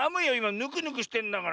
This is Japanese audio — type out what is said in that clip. ぬくぬくしてんだから。